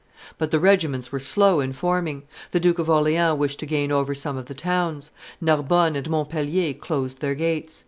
But the regiments were slow in forming; the Duke of Orleans wished to gain over some of the towns; Narbonne and Montpellier closed their gates.